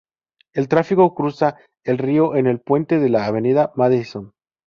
El tráfico cruza el río en el Puente de la Avenida Madison.